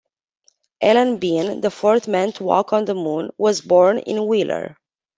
Alan Bean, the fourth man to walk on the moon, was born in Wheeler.